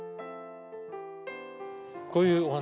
こういうお花